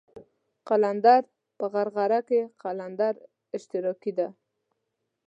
قلندر په غرغره کړئ قلندر اشتراکي دی.